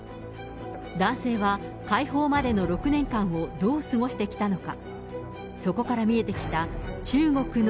男性は解放までの６年間をどう過ごしてきたのか。